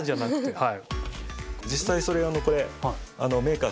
はい。